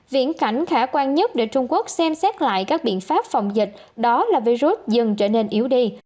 viễn cảnh khả quan nhất để trung quốc xem xét lại các biện pháp phòng dịch đó là virus dần trở nên yếu đi